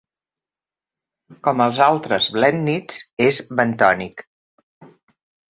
Com els altres blènnids, és bentònic.